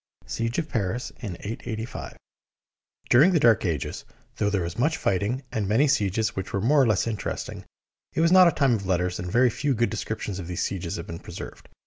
SIEGE OF PARIS IN 885 DURING the Dark Ages, though there was much righting and many sieges which were more or less interesting, it was not a time of letters, and very few good descriptions of these sieges have been preserved.